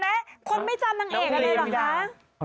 เดี๋ยวกันนะคนไม่จำนางเอกนาย่รกตรงนี้เหรอคะ